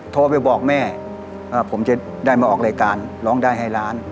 โทรไปบอกแม่ว่าผมจะได้มาออกรายการร้องได้ให้ล้าน